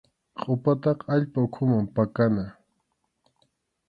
Qʼupataqa allpa ukhuman pakana.